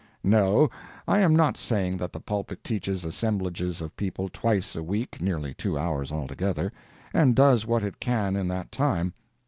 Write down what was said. No, I am not saying that the pulpit teaches assemblages of people twice a week—nearly two hours, altogether—and does what it can in that time.